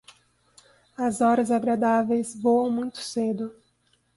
As horas agradáveis voam muito cedo.